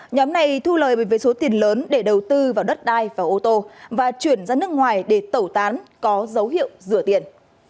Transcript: nhóm này thu lời về với số tiền lớn để đầu tư vào đất đai và ô tô và chuyển ra nước ngoài để tẩu tán có dấu hiệu rửa tiền